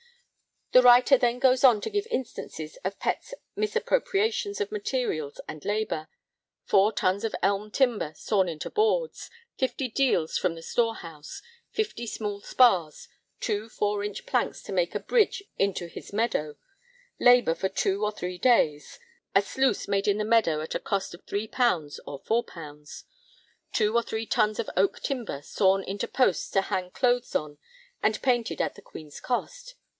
The writer then goes on to give instances of Pett's misappropriations of materials and labour; four tons of elm timber sawn into boards; fifty deals from the storehouse; fifty small spars; two four inch planks to make a bridge into his meadow; labour for two or three days; a sluice made in the meadow at a cost of 3_l._ or 4_l._; two or three tons of oak timber sawn into posts to hang clothes on and painted at the Queen's cost.